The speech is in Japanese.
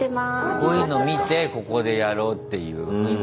こういうの見てここでやろうっていう雰囲気が。